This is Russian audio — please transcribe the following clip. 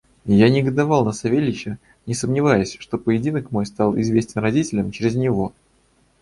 Я негодовал на Савельича, не сомневаясь, что поединок мой стал известен родителям через него.